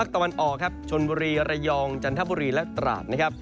ตะวันออกครับชนบุรีระยองจันทบุรีและตราดนะครับ